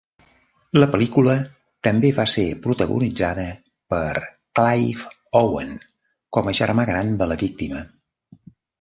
La pel·lícula també va ser protagonitzada per Clive Owen com a germà gran de la víctima.